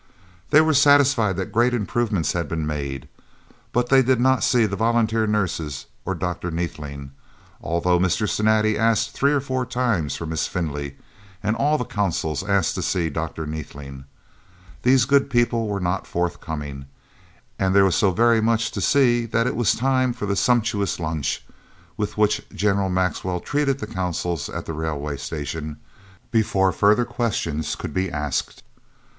They were satisfied that great improvements had been made, but they did not see the volunteer nurses or Dr. Neethling, although Mr. Cinatti asked three or four times for Miss Findlay and all the Consuls asked to see Dr. Neethling. These good people were not forthcoming, and there was so very much to see that it was time for the sumptuous lunch, with which General Maxwell treated the Consuls at the Railway Station, before further questions could be asked.